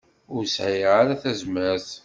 Ur sɛiɣ ara tazmert.